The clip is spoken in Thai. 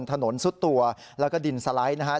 ถนนสุดตัวแล้วก็ดินสลัยนะครับ